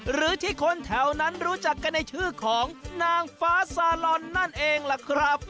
หรือที่คนแถวนั้นรู้จักกันในชื่อของนางฟ้าซาลอนนั่นเองล่ะครับ